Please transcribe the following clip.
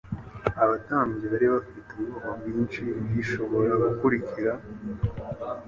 Abatambyi bari bafite ubwoba bwinshi bw'ibishobora gukurikira,